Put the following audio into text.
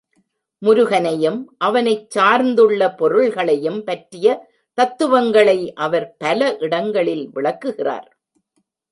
முருகனையும் அவனைச் சார்ந்துள்ள பொருள்களையும் பற்றிய தத்துவங்களை அவர் பல இடங்களில் விளக்குகிறார்.